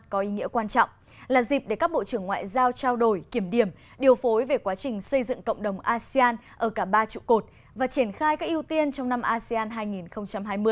có ý nghĩa quan trọng là dịp để các bộ trưởng ngoại giao trao đổi kiểm điểm điều phối về quá trình xây dựng cộng đồng asean ở cả ba trụ cột và triển khai các ưu tiên trong năm asean hai nghìn hai mươi